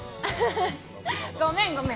ごめん、ごめん。